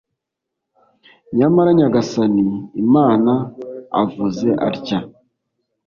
Nyamara, Nyagasani Imana avuze atya: